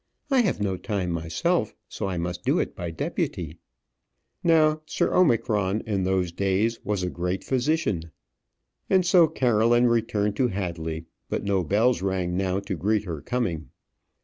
I have no time myself; so I must do it by deputy." Now Sir Omicron in those days was a great physician. And so Caroline returned to Hadley; but no bells rang now to greet her coming.